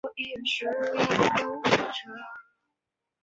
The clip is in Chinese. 他在非赛季时则为波多黎各职业棒球联盟的卡瓜斯队效力。